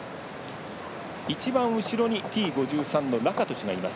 一番後ろにＴ５３のラカトシュがいます。